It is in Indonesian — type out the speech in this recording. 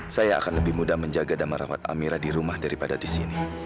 saya akan lebih mudah menjaga dan merawat amira di rumah daripada di sini